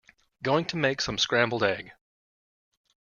Going to make some scrambled egg.